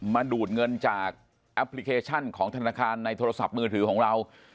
มาดูดเงินจากแอปพลิเคชันของธนาคารในโทรศัพท์มือถือของเรา